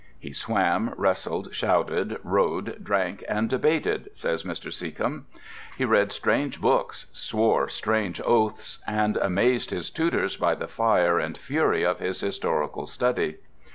He swam, wrestled, shouted, rode, drank, and debated, says Mr. Seccombe. He read strange books, swore strange oaths, and amazed his tutors by the fire and fury of his historical study.